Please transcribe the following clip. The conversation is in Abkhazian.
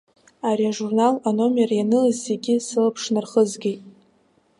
Ари ажурнал аномер ианылаз зегьы сылаԥш нархызгеит.